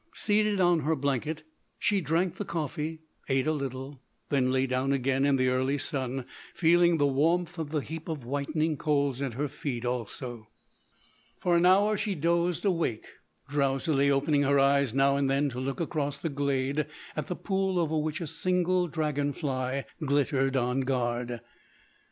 Seated in her blanket, she drank the coffee; ate a little; then lay down again in the early sun, feeling the warmth of the heap of whitening coals at her feet, also. For an hour she dozed awake, drowsily opening her eyes now and then to look across the glade at the pool over which a single dragon fly glittered on guard.